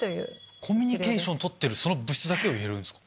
コミュニケーション取ってる物質だけを入れるんすか。